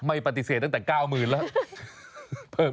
ไม่ปฏิเสธตั้งแต่๙๐๐๐แล้ว